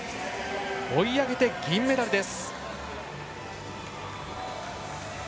追い上げて銀メダルです。